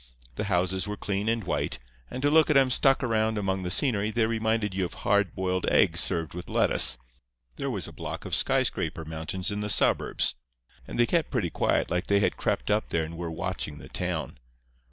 The houses were clean and white; and to look at 'em stuck around among the scenery they reminded you of hard boiled eggs served with lettuce. There was a block of skyscraper mountains in the suburbs; and they kept pretty quiet, like they had crept up there and were watching the town.